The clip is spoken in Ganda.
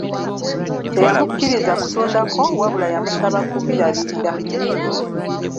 Teyamukkiriza kutundako wabula yamusaba kubirabirira.